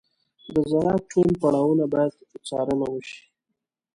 د زراعت ټول پړاوونه باید څارنه وشي.